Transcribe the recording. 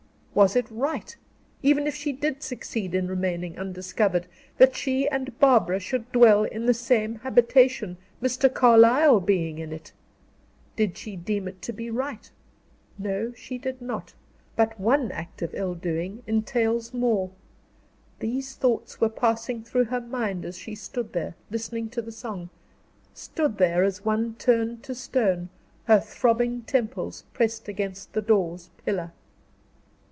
Was it right, even if she did succeed in remaining undiscovered, that she and Barbara should dwell in the same habitation, Mr. Carlyle being in it? Did she deem it to be right? No, she did not; but one act of ill doing entails more. These thoughts were passing through her mind as she stood there, listening to the song; stood there as one turned to stone, her throbbing temples pressed against the door's pillar.